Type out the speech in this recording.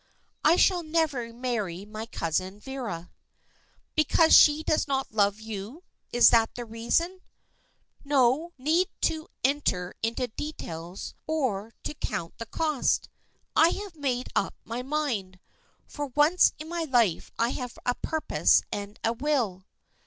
"I shall never marry my cousin Vera." "Because she does not love you? Is that the reason?" "No need to enter into details, or to count the cost. I have made up my mind. For once in my life I have a purpose and a will."